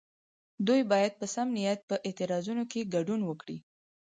دوی باید په سم نیت په اعتراضونو کې ګډون وکړي.